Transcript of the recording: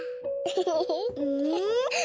うん？